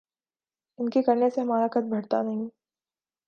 ان کے کرنے سے ہمارا قد بڑھتا نہیں۔